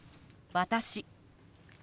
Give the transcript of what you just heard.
「私」。